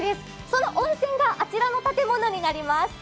その温泉があちらの建物になります。